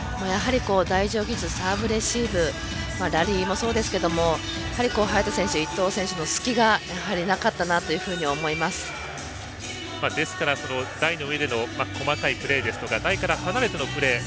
サーブ、レシーブラリーもそうですけど伊藤選手、早田選手の隙がやはりなかったというふうにですから台の上での細かいプレーですとか台から離れてのプレー。